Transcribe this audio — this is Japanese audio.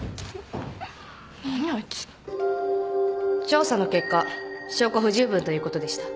調査の結果証拠不十分ということでした。